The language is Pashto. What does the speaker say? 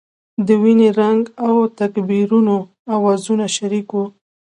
د وینې رنګ او تکبیرونو اوازونه شریک وو.